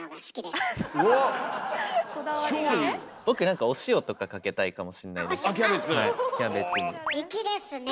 僕何かお塩とかかけたいかもしれないです。